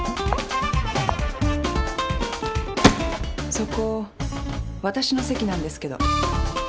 そこわたしの席なんですけど。